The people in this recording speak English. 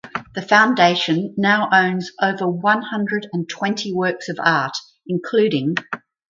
The Foundation now owns over one hundred and twenty works of art including